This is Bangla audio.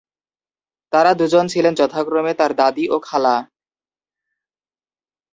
তাঁরা দুজন ছিলেন যথাক্রমে তাঁর দাদি ও খালা।